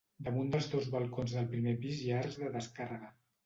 Damunt dels dos balcons del primer pis hi ha arcs de descàrrega.